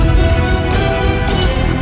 tidak ada yang bisa dihukum